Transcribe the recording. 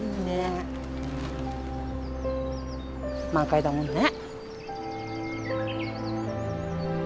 満開だもんね。